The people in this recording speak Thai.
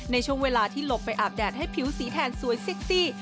ในช่วงเวลาที่หลบไปอาบแดดให้ผิวสีแทนสวยเซ็กซี่